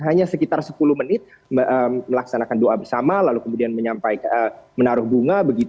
hanya sekitar sepuluh menit melaksanakan doa bersama lalu kemudian menaruh bunga